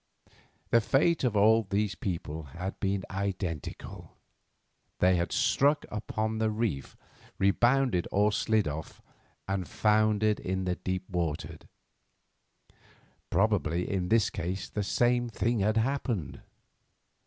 The fate of all these vessels had been identical; they had struck upon the reef, rebounded or slid off, and foundered in deep water. Probably in this case the same thing had happened.